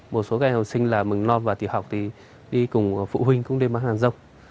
một số các em học sinh là mầm non và tiểu học thì đi cùng phụ huynh cũng nên bán hàng rong